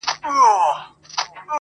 هم راته غم راکړه ته، او هم رباب راکه.